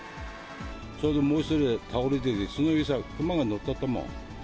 ちょうどもう１人倒れてて、その上さ、クマがのっとったもん。